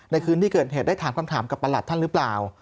คืนที่เกิดเหตุได้ถามคำถามกับประหลัดท่านหรือเปล่า